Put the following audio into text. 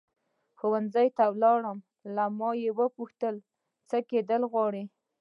ښوونځي ته لاړم له ما یې وپوښتل څه کېدل غواړې.